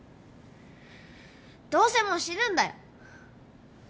どうせもう死ぬんだよ！